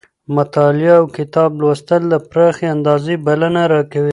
مطالعه اوکتاب لوستل د پراخې اندازې بلنه راکوي.